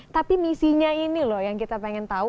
tapi misinya ini loh yang kita pengen tahu